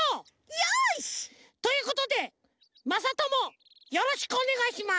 よし！ということでまさともよろしくおねがいします！